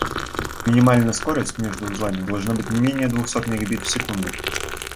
Минимально скорость между узлами должна быть не менее двухсот мегабит в секунду